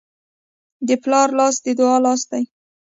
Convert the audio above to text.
د پلار لاس د دعا لاس دی.